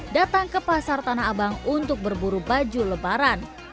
datang ke pasar tanah abang untuk berburu baju lebaran